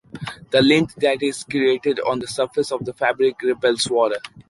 The lint that is created on the surface of the fabric repels water.